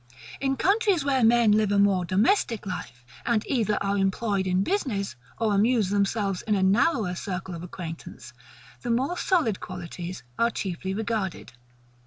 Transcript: In countries where men live a more domestic life, and either are employed in business, or amuse themselves in a narrower circle of acquaintance, the more solid qualities are chiefly regarded.